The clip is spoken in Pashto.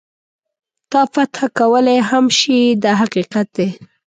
تا فتح کولای هم شي دا حقیقت دی.